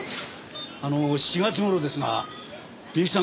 あの４月頃ですがみゆきさん